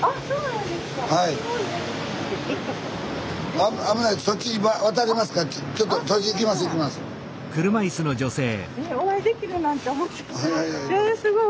あすごい。